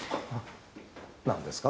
何ですか？